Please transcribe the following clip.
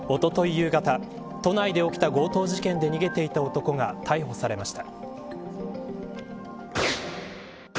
夕方都内で起きた強盗事件で逃げていた男が逮捕されました。